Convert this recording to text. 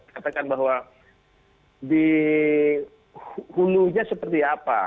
katakan bahwa di hulunya seperti apa